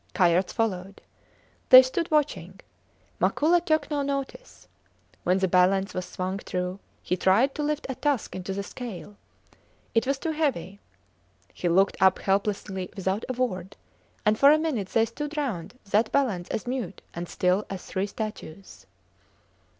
Kayerts followed. They stood watching. Makola took no notice. When the balance was swung true, he tried to lift a tusk into the scale. It was too heavy. He looked up helplessly without a word, and for a minute they stood round that balance as mute and still as three statues.